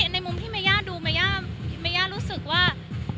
ในมุมที่เมย่าดูเมย่ารู้สึกว่า